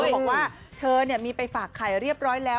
บอกว่าเธอมีไปฝากไข่เรียบร้อยแล้ว